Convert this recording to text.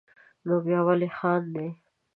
نو بیا ولې خاندې.